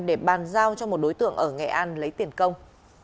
để bàn giao cho một đối tượng ở nghệ an lấy tiền công